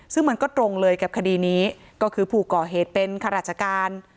ซึ่งมันก็ตรงเลยกับคดีนี้ก็คือผู้ก่อเหตุเป็นข้าราชการ